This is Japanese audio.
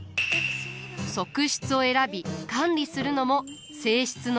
側室を選び管理するのも正室の役目。